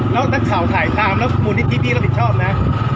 แล้วนักข่าวถ่ายตามแล้วมูลนิธิพี่รับผิดชอบนะ